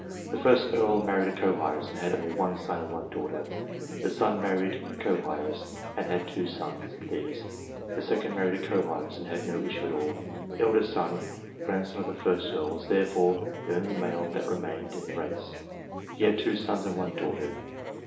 The 1st Earl married a co heiress, and had only one son and one daughter. The son married a co heiress, and had two sons ; of these, the second married a co heiress, and had no issue at all. The eldest son (grandson of the 1st Earl) was therefore the only male that remained in the race. He had two sons and one daughter.